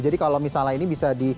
jadi kalau misalnya ini bisa di